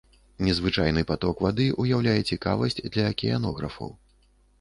Незвычайны паток вады ўяўляе цікавасць для акіянографаў.